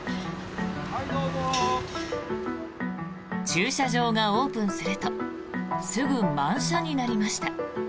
駐車場がオープンするとすぐ満車になりました。